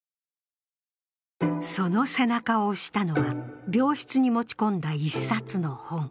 その背中を押したのは病室に持ち込んだ一冊の本。